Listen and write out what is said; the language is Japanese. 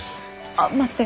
ああ待って。